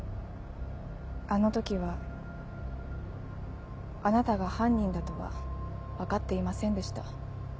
あの時はあなたが犯人だとは分かっていませんでした。